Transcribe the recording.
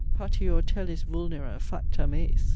patior telis vulnera facta meis.'